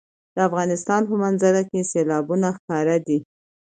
د افغانستان په منظره کې سیلابونه ښکاره دي.